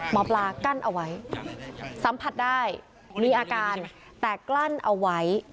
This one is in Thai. หมอปลากั้นเอาไว้สัมผัสได้มีอาการแต่กลั้นเอาไว้